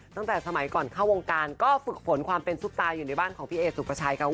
ตั้งแต่สมัยก่อนเข้าวงการก็ฝึกฝนความเป็นซุปตาอยู่ในบ้านของพี่เอสุปชัยค่ะ